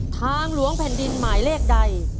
ทางหลวงแผ่นดินหมายเลขใด